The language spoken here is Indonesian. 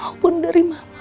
maupun dari mama